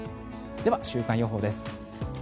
では、週間予報です。